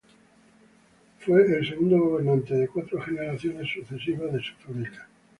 Fue el segundo gobernante de cuatro generaciones sucesivas de su familia.